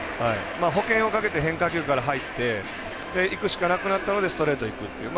保険をかけて変化球から入っていくしかなくなったのでストレートにいくっていう。